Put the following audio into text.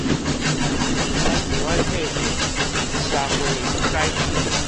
咱著愛綴會著社會的改變